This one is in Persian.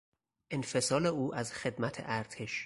انفصال او از خدمت ارتش